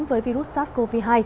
với virus sars cov hai